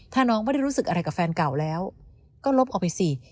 ถ้าน้องไม่ได้รู้สึกอะไรกับแฟนเก่าแล้วก็ลบออกไปสิ